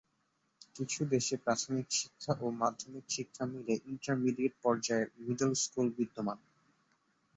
কিছু দেশে প্রাথমিক শিক্ষা ও মাধ্যমিক শিক্ষা মিলে ইন্টারমিডিয়েট পর্যায়ের মিডল স্কুল বিদ্যমান।